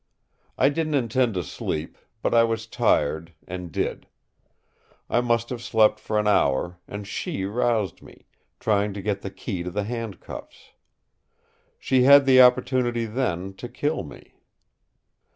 I didn't intend to sleep, but I was tired and did. I must have slept for an hour, and SHE roused me trying to get the key to the handcuffs. She had the opportunity then to kill me."